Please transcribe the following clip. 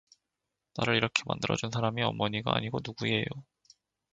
나를 이렇게 만들어 준 사람이 어머니가 아니고 누구얘요.